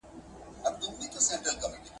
یو داسې دروېش دی